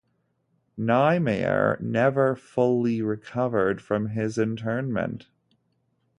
Niemeyer never fully recovered from his internment.